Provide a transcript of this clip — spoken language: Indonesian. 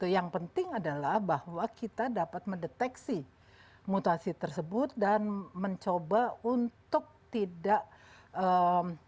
yang penting adalah bahwa kita dapat mendeteksi mutasi tersebut dan mencoba untuk tidak